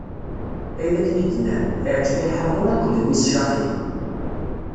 Ayen akken i d-nnan, iɛǧeb i Ḥamur akked mmi-s Caxim.